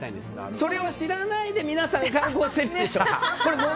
それを知らないで皆さん、観光しているでしょ！